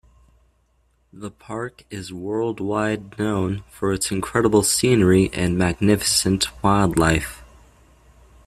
The park is worldwide known for its incredible scenery and magnificent wildlife.